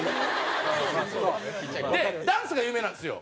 でダンスが有名なんですよ。